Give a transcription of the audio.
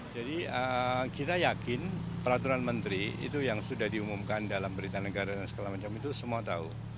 jadi kita yakin peraturan menteri itu yang sudah diumumkan dalam berita negara dan segala macam itu semua tahu